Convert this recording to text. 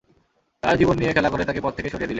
তার জীবন নিয়ে খেলা করে তাকে পথ থেকে সরিয়ে দিলে।